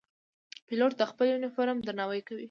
پیلوټ د خپل یونیفورم درناوی کوي.